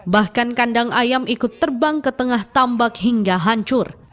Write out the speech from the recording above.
bahkan kandang ayam ikut terbang ke tengah tambak hingga hancur